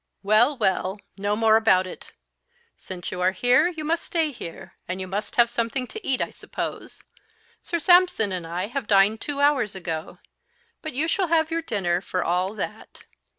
"Well, well, no more about it. Since you are here you must stay here, and you must have something to eat, I suppose. Sir Sampson and I have dined two hours ago; but you shall have your dinner for all that.